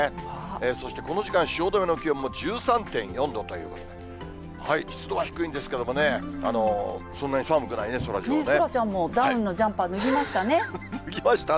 そしてこの時間、汐留の気温も１３．４度ということで、湿度は低いんですけれどもね、そんなに寒くないね、そらジローそらちゃんも、脱ぎましたね。